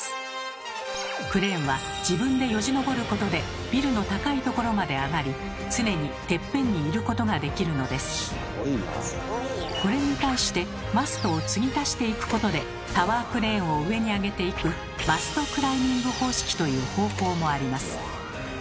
クレーンは自分でよじ登ることでビルの高いところまで上がりこれに対してマストを継ぎ足していくことでタワークレーンを上にあげていく「マストクライミング方式」という方法もあります。